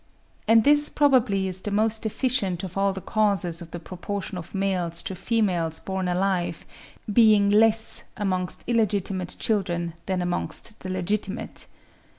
And this probably is the most efficient of all the causes of the proportion of males to females born alive being less amongst illegitimate children than amongst the legitimate.